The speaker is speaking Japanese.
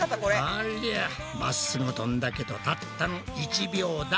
ありゃまっすぐ飛んだけどたったの１秒だ。